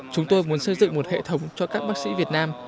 chúng tôi muốn xây dựng một hệ thống cho các bác sĩ việt nam